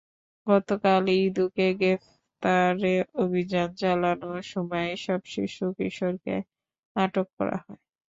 গতকাল ইদুকে গ্রেপ্তারে অভিযান চালানোর সময় এসব শিশু-কিশোরকে আটক করা হয়।